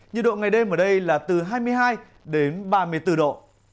nhiệt độ ngày đêm ở đây là từ hai mươi hai đến ba mươi bốn độ